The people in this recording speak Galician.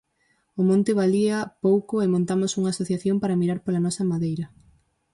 O monte valía pouco e montamos unha asociación para mirar pola nosa madeira.